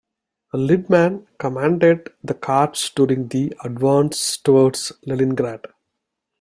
Lindemann commanded the corps during the advance towards Leningrad.